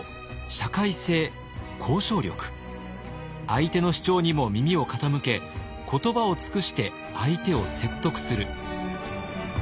相手の主張にも耳を傾け言葉を尽くして相手を説得する。